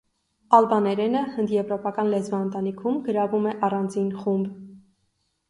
Ալբաներենը հնդեվրոպական լեզվաընտանիքում գրավում է առանձին խումբ։